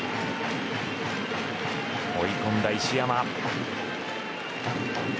追い込んだ石山。